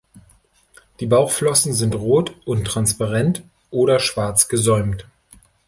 Die Bauchflossen sind rot und transparent oder schwarz gesäumt.